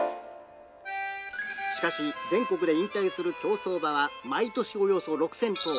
しかし、全国で引退する競走馬は、毎年およそ６０００頭。